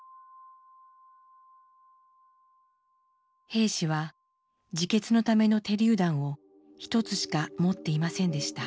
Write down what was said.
兵士は自決のための手りゅう弾を一つしか持っていませんでした。